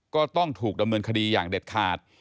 ก็ต้องถูกดำเนินคดีอย่างเด็ดขาด